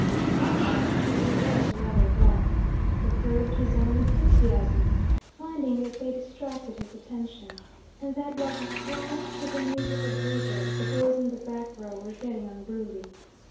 As a teacher he was rather dull. He curbed his own enthusiasms, finding that they distracted his attention, and that while he throbbed to the music of Virgil the boys in the back row were getting unruly.